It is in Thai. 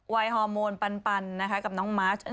ไว้ฮอร์โมนปันนะคะกับน้องมั๊ก